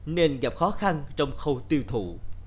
nên gặp khó khăn trong khâu tiêu thụ